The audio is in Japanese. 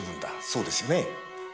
そうですよね？